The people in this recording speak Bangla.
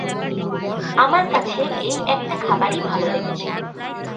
আমার কাছে এই একটা খাবারই ভাল লেগেছে।